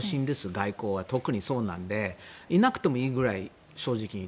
外交は特にそうなのでいなくてもいいぐらい、正直。